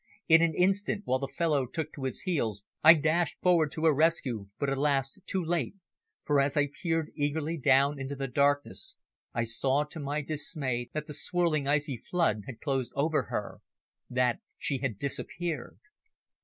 In an instant, while the fellow took to his heels, I dashed forward to her rescue, but, alas! too late, for, as I peered eagerly down into the darkness, I saw to my dismay that the swirling icy flood had closed over her, that she had disappeared.